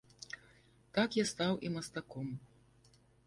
Так я стаў і мастаком.